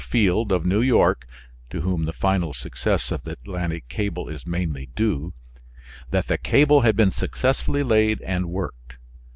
Field of New York (to whom the final success of the Atlantic cable is mainly due), that the cable had been successfully laid and worked.